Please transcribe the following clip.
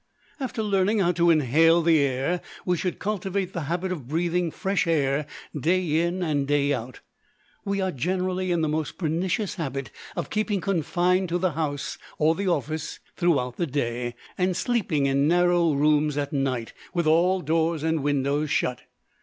After learning how to inhale the air, we should cultivate the habit of breathing fresh air, day in and day out. We are generally in the most pernicious habit of keeping confined to the house or the office throughout the day, and sleeping in narrow rooms at night, with all doors and windows shut.